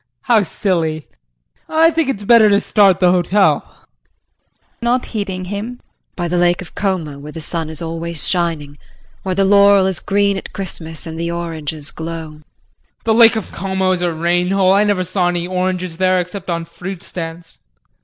How silly. I think it's better to start the hotel. JULIE [Not heeding him]. By the Lake of Como where the sun is always shining, where the laurel is green at Christmas and the oranges glow. JEAN. The Lake of Como is a rain hole, I never saw any oranges there except on fruit stands.